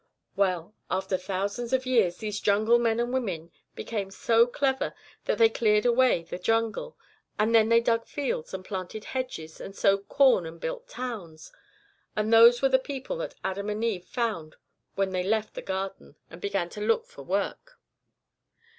"Well, after thousands of years these jungle men and women became so clever that they cleared away the jungle, and then they dug fields and planted hedges and sowed corn and built towns; and those were the people that Adam and Eve found when they left the Garden and began to look for work.